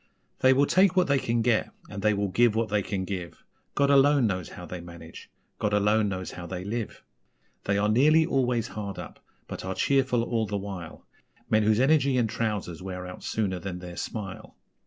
They will take what they can get, and they will give what they can give, God alone knows how they manage God alone knows how they live! They are nearly always hard up, but are cheerful all the while Men whose energy and trousers wear out sooner than their smile!